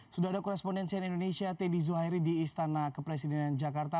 sudah ada korespondensian indonesia teddy zuhairi di istana kepresidenan jakarta